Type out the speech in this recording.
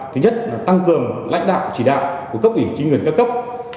thứ nhất là tăng cường lãnh đạo chỉ đạo của cấp ủy chính quyền các cấp